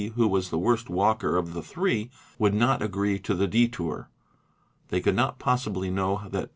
who was the worst walker of thet hree, would not agree to the i detour. They could not possibly know that T.